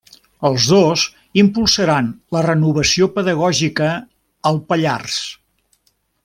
Els dos impulsaran la renovació pedagògica al Pallars.